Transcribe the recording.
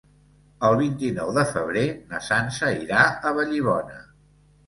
El vint-i-nou de febrer na Sança irà a Vallibona.